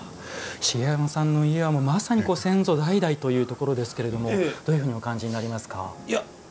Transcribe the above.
茂山さんの家はまさに先祖代々というところですけどどういうふうにお感じになりますか。